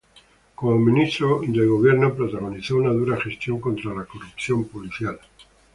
Como Ministro Gobierno, protagonizó una dura gestión contra la corrupción policial.